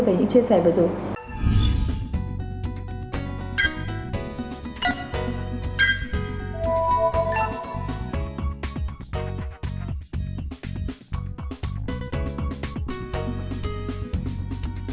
về những chia sẻ vừa rồi